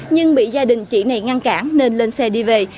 nhưng bị gia đình chị này ngăn cản nên lên xe đi về